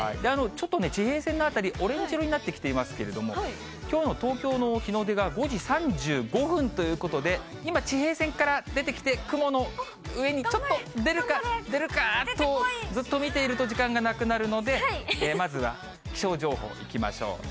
ちょっとね、地平線の辺り、オレンジ色になってきていますけれども、きょうの東京の日の出が５時３５分ということで、今、地平線から出てきて、雲の上にちょっと出るか、出るかとずっと見ていると、時間がなくなるので、まずは気象情報いきましょう。